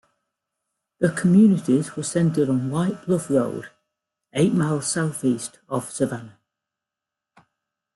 The communities were centered on White Bluff Road, eight miles southeast of Savannah.